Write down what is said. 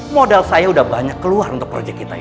modal saya udah banyak keluar untuk proyek kita ini